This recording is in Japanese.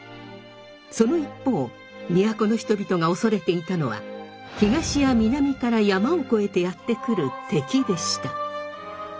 その一方都の人々が恐れていたのは東や南から山を越えてやって来る敵でした。